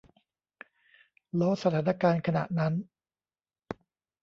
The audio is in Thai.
ล้อสถานการณ์ขณะนั้น